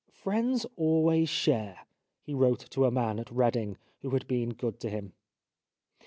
" Friends always share," he wrote to a man at Reading, who had been good to him.